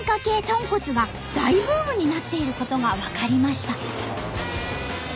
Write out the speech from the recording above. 豚骨が大ブームになっていることが分かりました。